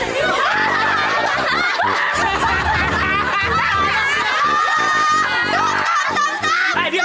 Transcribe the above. letak unfinished bantut banget